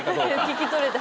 聞き取れて。